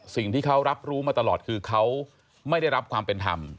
สิ่งที่เขารับรู้มาตลอดคือเขาไม่ได้รับความเป็นธรรม